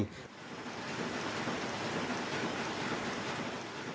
ต้อการความสุขที